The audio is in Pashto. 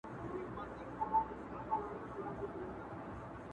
چي د استعمارګرو کلتوري ارزښتونه هم